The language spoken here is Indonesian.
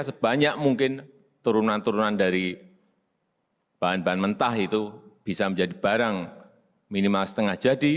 sebanyak mungkin turunan turunan dari bahan bahan mentah itu bisa menjadi barang minimal setengah jadi